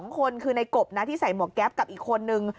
๒คนคือในกบนะที่ใส่หมวกแก๊ปกับอีกคนนึง